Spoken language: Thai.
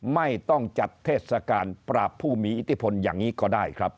ไม่ต้องจัดเทศกาลปราบผู้มีอิทธิพลอย่างนี้ก็ได้ครับ